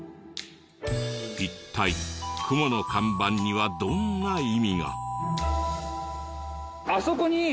一体雲の看板にはどんな意味が？あそこに。